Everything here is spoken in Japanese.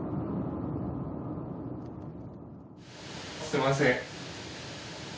すみません。